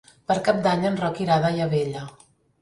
Per Cap d'Any en Roc irà a Daia Vella.